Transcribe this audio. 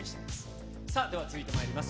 さあ、では続いてまいります。